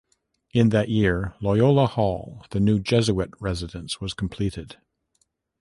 In that year, Loyola Hall, the new Jesuit residence, was completed.